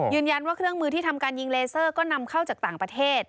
ว่าเครื่องมือที่ทำการยิงเลเซอร์ก็นำเข้าจากต่างประเทศ